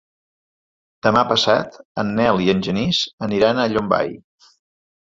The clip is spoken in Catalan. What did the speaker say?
Demà passat en Nel i en Genís aniran a Llombai.